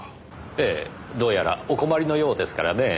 ええどうやらお困りのようですからねえ。